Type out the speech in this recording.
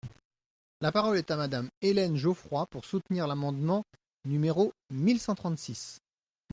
La parole est à Madame Hélène Geoffroy, pour soutenir l’amendement numéro mille cent trente-six.